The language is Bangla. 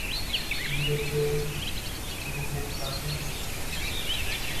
মিলেছে বহু প্রাচীন পুঁথি।